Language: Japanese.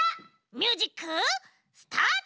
ミュージックスタート！